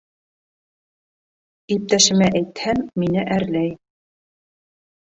Иптәшемә әйтһәм, мине әрләй.